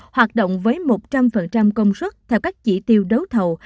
hoạt động với một trăm linh công suất theo các chỉ tiêu đấu thầu